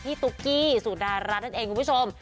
พี่ตุ๊กกี้สูตรร้านนั้นเองคุณผู้ชม